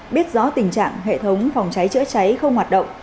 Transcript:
biết rõ tình trạng hệ thống phòng cháy chữa cháy không hoạt động